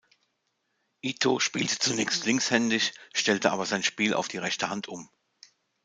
Itō spielte zunächst linkshändig, stellte aber sein Spiel auf die rechte Hand um.